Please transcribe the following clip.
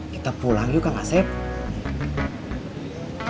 kita pulang yuk kak mas hepp